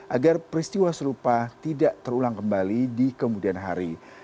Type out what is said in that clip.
agar peristiwa serupa tidak terulang kembali di kemudian hari